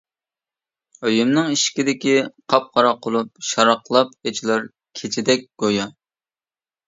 ئۆيۈمنىڭ ئىشىكىدىكى قاپقارا قۇلۇپ، شاراقلاپ ئېچىلار كېچىدەك گويا.